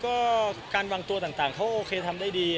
ก็การวางตัวต่างเขาโอเคทำได้ดี